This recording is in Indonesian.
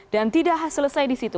dan tidak selesai di situ